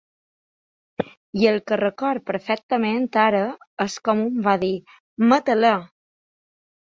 I el que recordo perfectament ara és com un va dir: Mata-la!